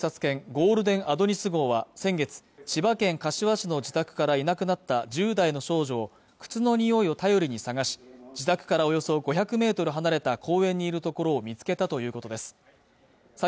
ゴールデン・アドニス号は先月千葉県柏市の自宅からいなくなった１０代の少女の靴のにおいを頼りに探し自宅からおよそ５００メートル離れた公園にいるところを見つけたということです